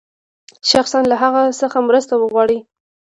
شخصاً له هغه څخه مرسته وغواړي.